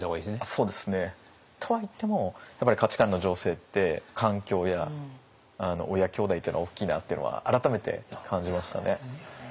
そうですね。とは言ってもやっぱり価値観の醸成って環境や親兄弟っていうのは大きいなっていうのは改めて感じましたね。